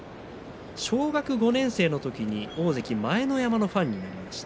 小学５年生の時に大関前乃山のファンになりました。